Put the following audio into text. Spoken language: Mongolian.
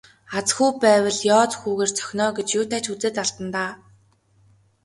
Аз хүү байвал ёоз хүүгээр цохино оо гэж юутай ч үзээд алдана даа.